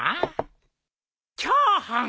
チャーハン！